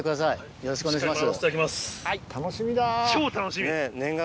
よろしくお願いします。